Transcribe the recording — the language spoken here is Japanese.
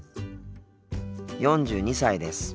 ４２歳です。